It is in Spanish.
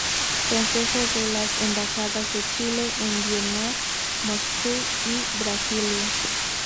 Consejero de las Embajadas de Chile en Viena, Moscú y Brasilia.